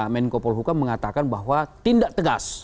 menko polhukam mengatakan bahwa tindak tegas